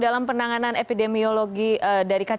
dalam penanganan epidemiologi dari ksp